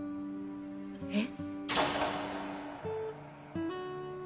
えっ？